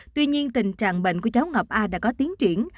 tuy nhiên tình trạng bệnh của cháu ngọc a đã có tiến triển